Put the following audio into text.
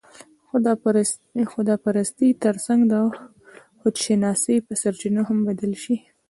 د خدا پرستۍ تر څنګ، د خودشناسۍ په سرچينو هم بدل شي